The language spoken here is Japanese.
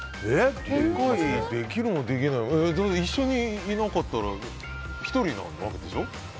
理解できるもできないも一緒にいなかったら１人なわけでしょ？